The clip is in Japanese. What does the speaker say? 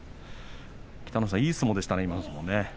北の富士さん、いい相撲でしたね。